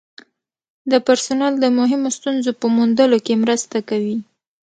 د پرسونل د مهمو ستونزو په موندلو کې مرسته کوي.